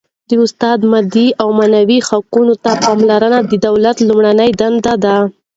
د استاد مادي او معنوي حقوقو ته پاملرنه د دولت لومړنۍ دنده ده.